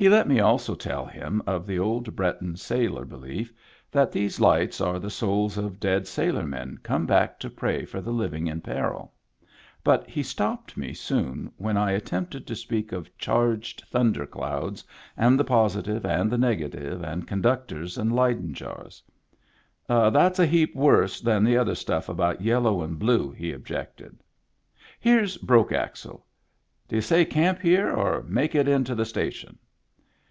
He let me also tell him of the old Breton sailor belief that these lights are the souls of dead sailor men come back to pray for the living in peril ; but he stopped me soon when I attempted to speak of charged thun der clouds, and the positive, and the negative, and conductors, and Leyden jars. " That's a heap worse than the other stufif about yellow and blue," he objected. " Here's Broke Axle. D' y'u say camp here, or make it in to the station